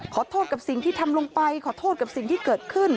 ขอโทษกับสิ่งที่ทำลงไปขอโทษกับสิ่งที่เกิดขึ้น